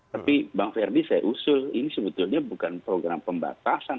tapi bang ferdi saya usul ini sebetulnya bukan program pembatasan